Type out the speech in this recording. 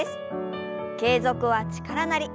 「継続は力なり」。